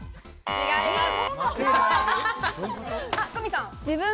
違います。